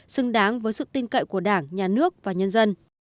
xứng đáng với sự tin cậy của đảng nhà nước và nhân dân